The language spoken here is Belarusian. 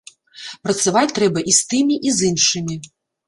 Працаваць трэба і з тымі, і з іншымі.